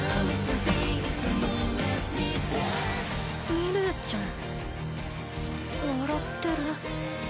ミレイちゃん笑ってる。